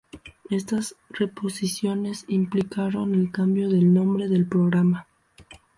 Estas reposiciones implicaron el cambio del nombre del programa.